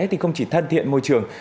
thì không chỉ thân thiện môi trường